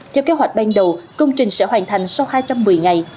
theo kế hoạch ban đầu công trình sẽ hoàn thành sau hai trăm một mươi ngày